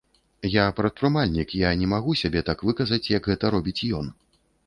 Я прадпрымальнік, я не магу сябе так выказаць, як гэта робіць ён.